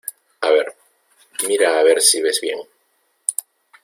a ver, mira a ver si ves bien.